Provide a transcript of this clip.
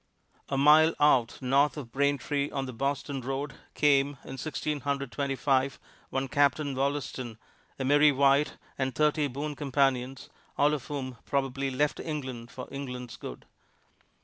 A mile out, north of Braintree, on the Boston road, came, in Sixteen Hundred Twenty five, one Captain Wollaston, a merry wight, and thirty boon companions, all of whom probably left England for England's good.